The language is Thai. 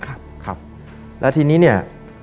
ครับครับแล้วทีนี้เนี่ย